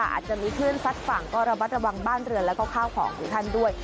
อาจจะมีคลื่นซัดฝั่งก็ระมัดระวังบ้านเรือนแล้วก็ข้าวของของท่านด้วย